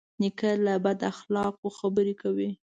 نیکه له بد اخلاقو خبروي.